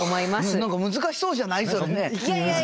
何か難しそうじゃない？